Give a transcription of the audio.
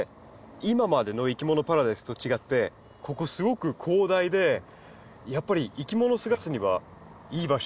今までの「いきものパラダイス」と違ってここすごく広大でやっぱりいきもの探すにはいい場所じゃないですか？